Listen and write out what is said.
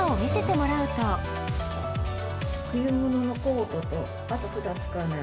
冬物のコートと、あと、ふだん使わない